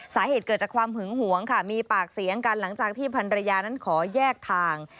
สาเหตุเกิดจากความหึงหวงค่ะมีปากเสียงกันหลังจากที่พันรยานั้นขอแยกทาง